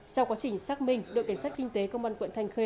sau quá trình xác minh đội cảnh sát kinh tế công an quận thanh khê